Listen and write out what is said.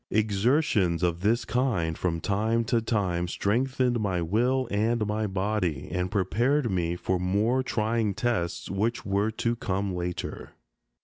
Exertions of this kind, from time to time, strengthened my will and my body, and prepared me for more trying tests which were to come later.